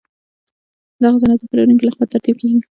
دغه سند د پلورونکي له خوا ترتیب کیږي.